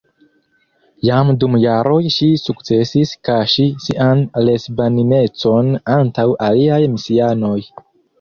Jam dum jaroj ŝi sukcesis kaŝi sian lesbaninecon antaŭ aliaj misianoj.